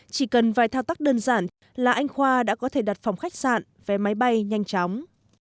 chỉ cần vài thao tác đơn giản là anh khoa đã có thể đặt phòng khách sạn vé máy bay nhanh chóng